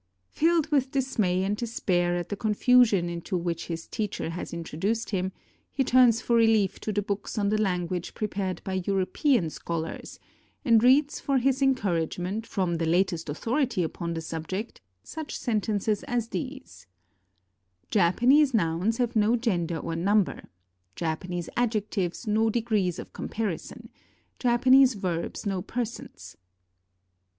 Filled with dismay and despair at the confusion into which his teacher has introduced him, he turns for relief to the books on the language prepared by European scholars, and reads for his encouragement, from the latest authority upon the subject, such sentences as these: "Japanese nouns have no gender or number; Japanese adjectives, no degrees of comparison; Japan ese verbs no persons."